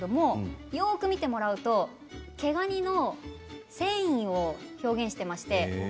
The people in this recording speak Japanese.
よく見てもらうと毛ガニの繊維を表現しています。